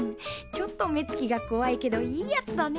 ちょっと目つきがこわいけどいいやつだね。